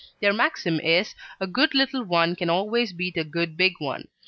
Their maxim is "a good little one can always beat a good big one."